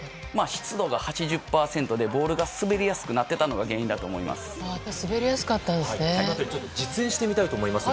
湿度が８０％でボールが滑りやすくなっていたのが実演してみたいと思います。